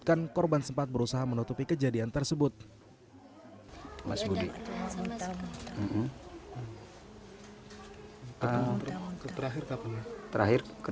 kan pulang dari sekolah pas langsung tidur orangnya